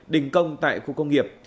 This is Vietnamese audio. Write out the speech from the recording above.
đình công tại khu công nghiệp